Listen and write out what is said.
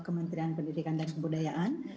kementerian pendidikan dan kebudayaan